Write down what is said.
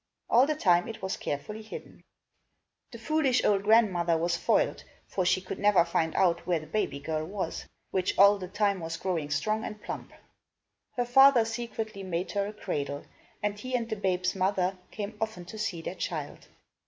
All the time it was carefully hidden. The foolish old grandmother was foiled, for she could never find out where the baby girl was, which all the time was growing strong and plump. Her father secretly made her a cradle and he and the babe's mother came often to see their child.